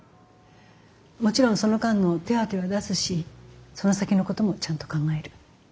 もちろんその間の手当は出すしその先のこともちゃんと考える。